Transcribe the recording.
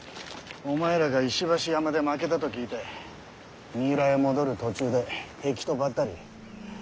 お前らが石橋山で負けたと聞いて三浦へ戻る途中で敵とばったり。